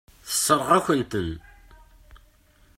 Tessṛeɣ-akent-ten.